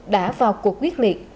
đã vào cuộc quyết liệt